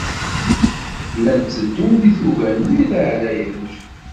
Llan tteddun deg tuga-nni taɛlayant.